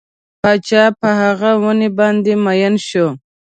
پاچا په هغه ونې باندې مین شو.